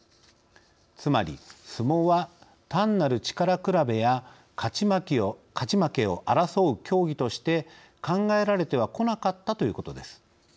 つまり相撲は単なる力比べや勝ち負けを争う競技として考えられてはこなかったということです。